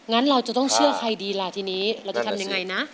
งั้นเราจะต้องเชื่อใครดีล่ะทีนี้เราจะทำยังไงนะ